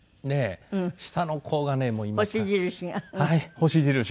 星印が。